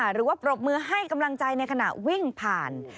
หรือว่าปรบมือให้กำลังใจในขณะวิ่งผ่าน